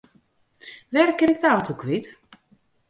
Wêr kin ik de auto kwyt?